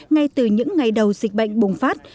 ngay từ những ngày đầu dịch bệnh bùng phát